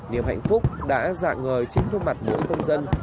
niềm hạnh phúc đã dạng ngời chính phương mặt mỗi công dân